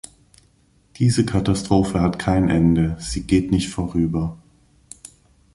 Diese Katastrophe hat kein Ende, sie geht nicht vorüber.